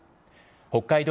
北海道